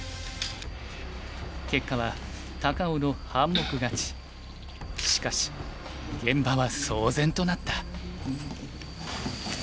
結果はしかし現場は騒然となった。